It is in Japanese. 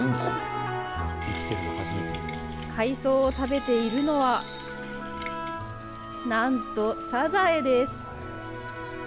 海藻を食べているのは、なんとサザエです。